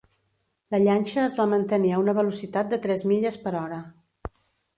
La llanxa es va mantenir a una velocitat de tres milles per hora.